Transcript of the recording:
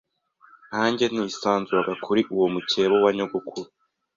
Nkange nisanzuraga kuri uwo mukeba wa nyogokuru.